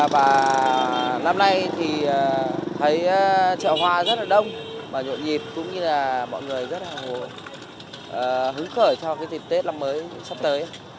và năm nay thì thấy chợ hoa rất là đông và nhộn nhịp cũng như là mọi người rất là hứng khởi cho cái dịp tết năm mới sắp tới